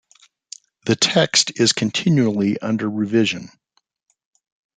The text is continually under revision.